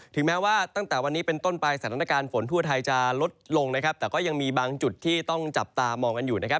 แม้ว่าตั้งแต่วันนี้เป็นต้นไปสถานการณ์ฝนทั่วไทยจะลดลงนะครับแต่ก็ยังมีบางจุดที่ต้องจับตามองกันอยู่นะครับ